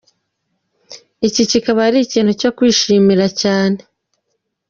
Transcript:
Iki kikaba ari ikintu cyo kwishimira cyane!